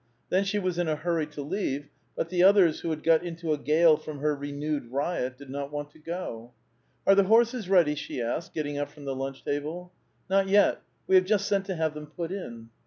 Then she was in a hurry to leave ; but the others, who had got into a gale from her renewed riot, did not want to go. '*" Are the horses ready?" she asked, getting up from the lunch table. '* Not yet. We have just sent to have them put in."